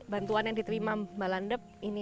bantuan yang diterima mbak landep ini